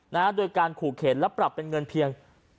นะฮะโดยการขู่เข็นและปรับเป็นเงินเพียง